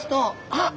あっ。